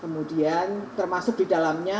kemudian termasuk di dalamnya